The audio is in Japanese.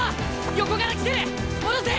横から来てる戻せ！